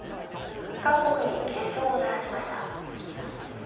各国に警鐘を鳴らしました。